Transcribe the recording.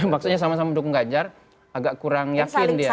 maksudnya sama sama dukung ganjar agak kurang yakin dia